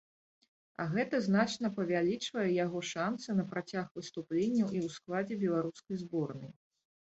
А гэта значна павялічвае яго шанцы на працяг выступленняў і ў складзе беларускай зборнай.